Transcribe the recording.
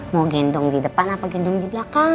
mau gendong di depan apa gendong di belakang